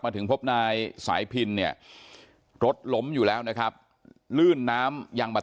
ถึงพบนายสายพินเนี่ยรถล้มอยู่แล้วนะครับลื่นน้ำยังมา